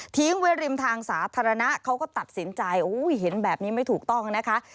ทิ้งไว้ริมทางสาธารณะเขาก็ตัดสินใจเห็นแบบนี้ไม่ถูกต้องนะคะ